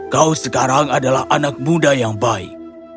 kau sekarang adalah anak muda yang baik